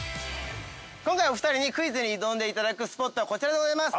今回お二人にクイズに挑んでいただくスポットはこちらでございます。